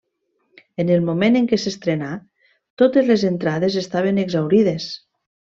En el moment en què s'estrenà, totes les entrades estaven exhaurides.